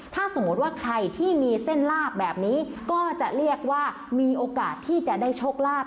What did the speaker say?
ถ้าสมมุติว่าใครที่มีเส้นลาบแบบนี้ก็จะเรียกว่ามีโอกาสที่จะได้โชคลาภ